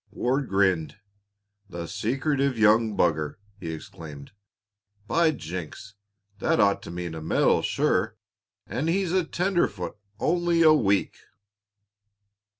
Ward grinned. "The secretive young beggar!" he exclaimed. "By jinks! That ought to mean a medal, sure! And he a tenderfoot only a week!"